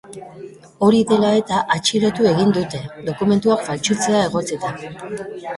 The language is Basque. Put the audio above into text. Hori dela eta, atxilotu egin dute, dokumentuak faltsutzea egotzita.